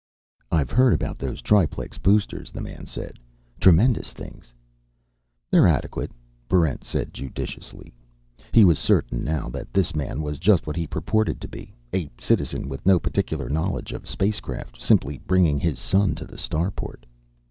"I've heard about those triplex boosters," the man said. "Tremendous things." "They're adequate," Barrent said judiciously. He was certain now that this man was just what he purported to be: a citizen with no particular knowledge of spacecraft simply bringing his son to the starport.